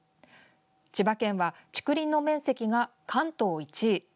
千葉県は竹林の面積が、関東１位。